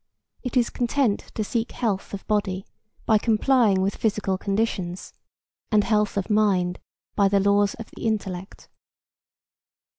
It is content to seek health of body by complying with physical conditions, and health of mind by the laws of the intellect.